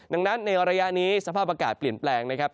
ดังนั้นในระยะนี้สภาพอากาศเปลี่ยนแปลงนะครับ